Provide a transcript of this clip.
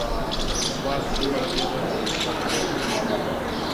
د سوات سيمه ډېره ښايسته ده۔